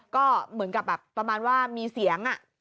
ก็เหมือนกับแบบประมาณว่ามีเสียง